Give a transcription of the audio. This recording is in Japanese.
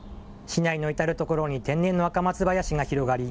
市内の至る所に天然のアカマツ林が広がり